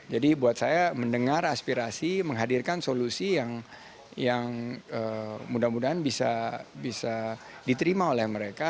jadi buat saya mendengar aspirasi menghadirkan solusi yang mudah mudahan bisa diterima oleh mereka